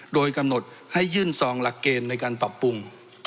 โดยกำหนดให้ยื่นซองหลักเกณฑ์ในการปรับปรุง